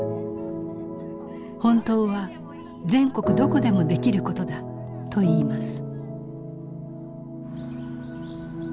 本当は全国どこでもできることだと言います。